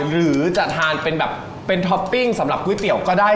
หรือจะทานเป็นแบบเป็นท็อปปิ้งสำหรับก๋วยเตี๋ยวก็ได้